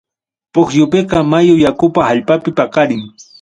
Pukyupiqa, mayu yakupam allpapi paqarin.